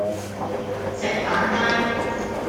石板街